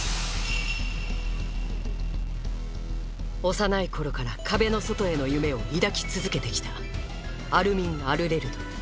幼い頃から壁の外への夢を抱き続けてきたアルミン・アルレルト。